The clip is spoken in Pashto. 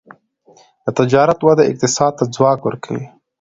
د تجارت وده اقتصاد ته ځواک ورکوي.